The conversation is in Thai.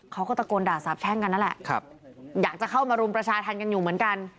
เขาก็ตะโกนด่าสาบแช่งกันนั่นแหละอยากจะเข้ามารุมประชาธรรมกันอยู่เหมือนกัน